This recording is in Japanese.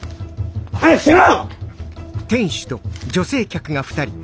早くしろ！